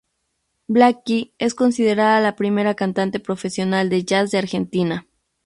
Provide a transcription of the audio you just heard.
Blackie es considerada la primera cantante profesional de jazz de Argentina.